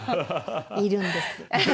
いるんです。